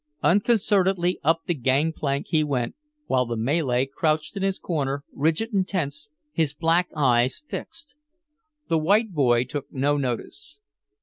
Unconcernedly up the gang plank he went, while the Malay crouched in his corner, rigid and tense, his black eyes fixed. The white boy took no notice.